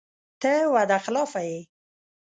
ته وعده خلافه یې !